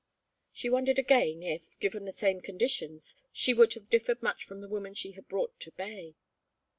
She wondered again, if, given the same conditions, she would have differed much from the woman she had brought to bay.